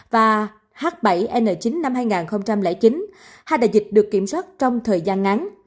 và h bảy n chín năm hai nghìn chín hai đại dịch được kiểm soát trong thời gian ngắn